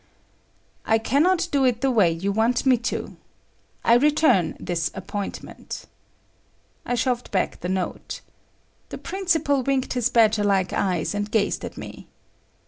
"I cannot do it the way you want me to. I return this appointment." I shoved back the note. The principal winked his badger like eyes and gazed at me.